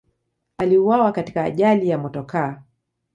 Aliuawa katika ajali ya motokaa.